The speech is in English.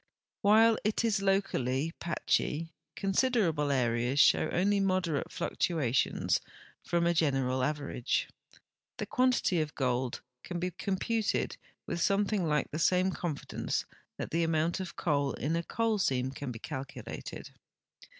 Wdiile it is locally patchy, considerable areas show only moderate fluctuations from a general average. The quan tity of gold can be computed with something like the same con fidence that the amount of coal in a coal seam can be calculated.